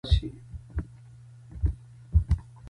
هارون په کرندي سره ګازر وباسي.